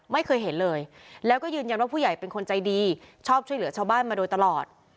ไม่เคยเห็นเลยแล้วก็ยืนยันว่าผู้ใหญ่เป็นคนใจดีชอบช่วยเหลือชาวบ้านมาโดยตลอด